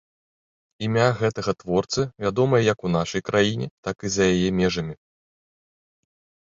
Імя гэтага творцы вядомае як у нашай краіне, так і за яе межамі.